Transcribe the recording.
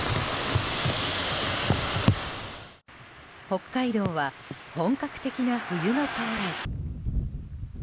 北海道は本格的な冬の到来。